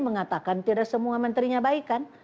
mengatakan tidak semua menterinya baik kan